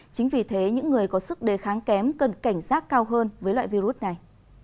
chính vì thế những người có sức đề kháng kém cần cảnh giác cao hơn với loại virus này